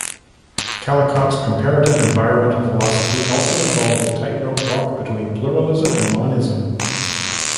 Callicott's comparative environmental philosophy also involves a tightrope walk between pluralism and monism.